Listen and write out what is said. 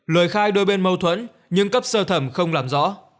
lời khai đôi bên mâu thuẫn nhưng cấp sơ thẩm không làm rõ